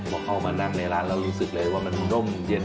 พอเข้ามานั่งในร้านแล้วรู้สึกเลยว่ามันนุ่มเย็น